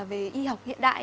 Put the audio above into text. về y học hiện đại